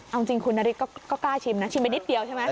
เอาจริงคุณนาริสก็กล้าชิมนะชิมไปนิดเดียวใช่ไหม